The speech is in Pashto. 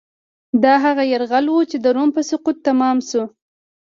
دا هغه یرغل و چې د روم په سقوط تمام شو.